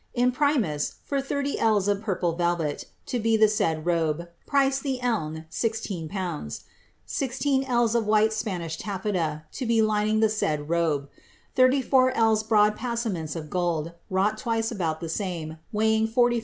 Imprimis, for 30 ells of purple velvet, to be the said robe, price the e/ne, 16/. Sixteen ells of white Spanish taffeta, to be lining of the said robe. Thirty four ells broad passaments of gold, wrought twice about the same, weighing 44 oz.